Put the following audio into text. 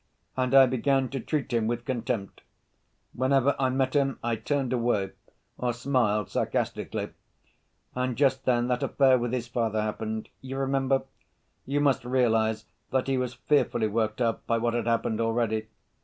And I began to treat him with contempt; whenever I met him I turned away or smiled sarcastically. And just then that affair with his father happened. You remember? You must realize that he was fearfully worked up by what had happened already.